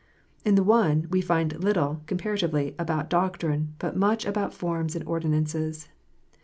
In the one, we find little, com paratively, about doctrine, but much about forms and ordinances.